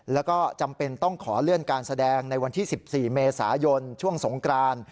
แล้วก็จำเป็นต้องขอเลื่อนการแสดงในวันที่๑๔เมษายนช่วงสงกราน